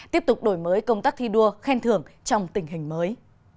tiếp tục đổi mới công tác thi đua khen thưởng trong tình hình mới